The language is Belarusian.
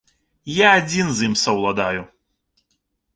Я адзін з ім саўладаю.